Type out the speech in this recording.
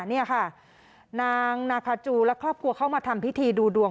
นี่ค่ะนางนาคาจูและครอบครัวเข้ามาทำพิธีดูดวง